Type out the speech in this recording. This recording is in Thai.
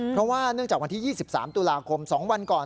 เพราะว่าเนื่องจากวันที่๒๓ตุลาคม๒วันก่อน